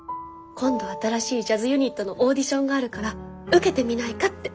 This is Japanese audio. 今度新しいジャズユニットのオーディションがあるから受けてみないかって。